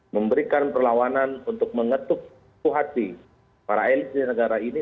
memberikan perlawanan untuk mengetuk hati para elit di negara ini